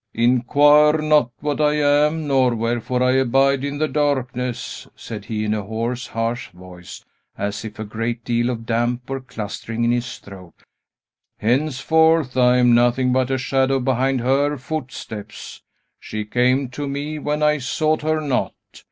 "Inquire not what I am, nor wherefore I abide in the darkness," said he, in a hoarse, harsh voice, as if a great deal of damp were clustering in his throat. "Henceforth, I am nothing but a shadow behind her footsteps. She came to me when I sought her not.